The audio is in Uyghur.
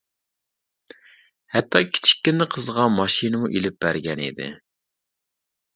ھەتتا كىچىككىنە قىزىغا ماشىنىمۇ ئېلىپ بەرگەن ئىدى.